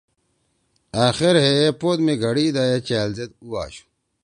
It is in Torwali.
أخیر ہے اے پود می گھڑی دا اے چأل زید اُو آشُو۔